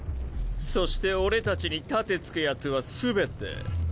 そして俺たちに盾突くヤツは全て。